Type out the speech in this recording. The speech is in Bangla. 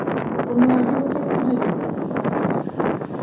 অন্য একজনকে খুঁজে নিব।